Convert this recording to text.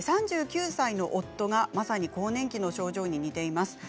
３９歳の夫がまさに更年期の症状に似ています。